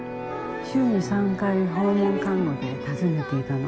週に３回訪問看護で訪ねていたの。